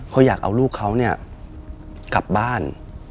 เขาอยากเอาลูกเขาเนี่ยกลับบ้าน